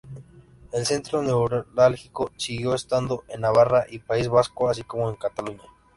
El centro neurálgico siguió estando en Navarra y País Vasco, así como en Cataluña.